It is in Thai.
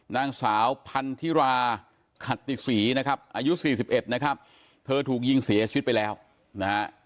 นางสาวพันธิราขัตติศรีนะครับอายุ๔๑นะครับเธอถูกยิงเสียชีวิตไปแล้วนะฮะ